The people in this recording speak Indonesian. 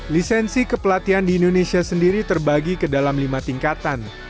lisensi kepelatihan di indonesia sendiri terbagi ke dalam lima tingkatan